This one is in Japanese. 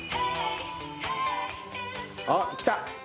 あっきた！